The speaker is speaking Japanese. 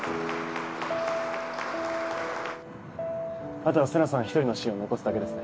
あとは瀬那さん１人のシーンを残すだけですね。